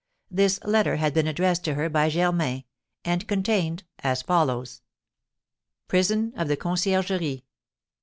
This letter had been addressed to her by Germain, and contained as follows: "PRISON OF THE CONCIERGERIE.